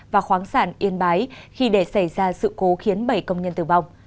và khoáng sản yên bái khi để xảy ra sự cố khiến bảy công nhân tử vong